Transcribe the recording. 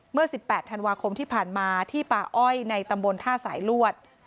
เมื่อ๑๘ธันวาคมที่ผ่านมาที่ป่าอ้อยในตำบลท่าสายลวด